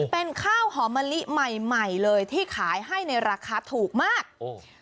เป็นข้าวหอมมะลิใหม่ใหม่เลยที่ขายให้ในราคาถูกมากโอ้